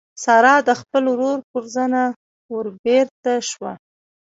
سارا د خپل ورور پر زنه وربېرته شوه.